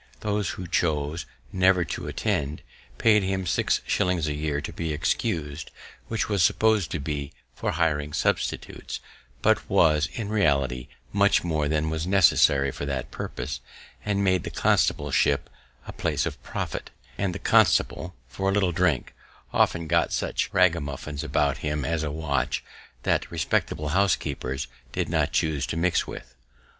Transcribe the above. Those who chose never to attend, paid him six shillings a year to be excus'd, which was suppos'd to be for hiring substitutes, but was, in reality, much more than was necessary for that purpose, and made the constableship a place of profit; and the constable, for a little drink, often got such ragamuffins about him as a watch, that respectable housekeepers did not choose to mix with.